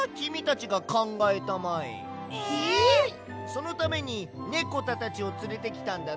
そのためにネコタたちをつれてきたんだろ。